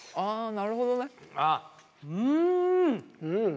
なるほどね！